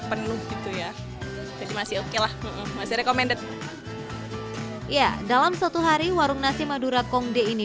penuh gitu ya jadi masih oke lah masih recommended ya dalam satu hari warung nasi madura kongde ini